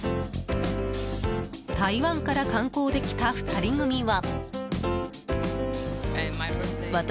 台湾から観光で来た２人組は。